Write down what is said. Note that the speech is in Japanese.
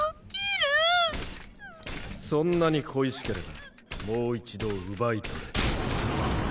そんなに恋しければもう一度奪い取れ。